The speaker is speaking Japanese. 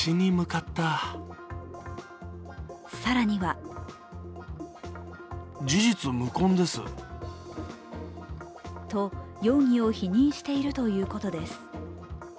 更にはと、容疑を否認しているということです。